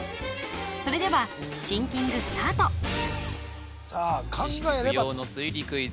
それではシンキングスタート知識無用の推理クイズ